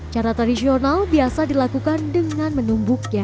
cara tradisional biasa dilakukan dengan menumbuknya